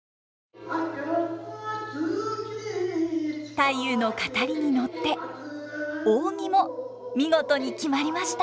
太夫の語りに乗って扇も見事に決まりました。